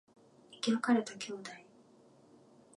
生き別れた兄弟